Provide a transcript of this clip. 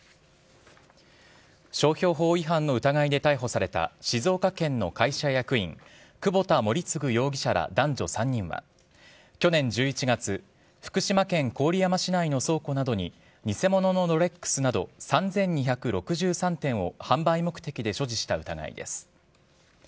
商標法違反などの疑いで逮捕された、静岡県の会社役員、久保田盛嗣容疑者ら男女３人は、去年１１月、福島県郡山市の倉庫などに偽物のロレックスなど、３２６３点を販売目的で所持した疑いです。